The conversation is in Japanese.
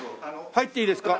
入っていいですか？